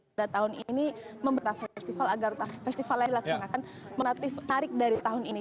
pada tahun ini memperbaiki festival agar festival lain laksanakan menarik dari tahun ini